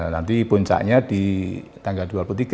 nanti puncaknya di tanggal dua puluh tiga